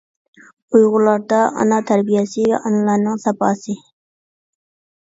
ئۇيغۇرلاردا ئانا تەربىيەسى ۋە ئانىلارنىڭ ساپاسى.